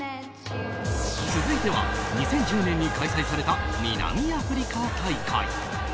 続いては２０１０年に開催された南アフリカ大会。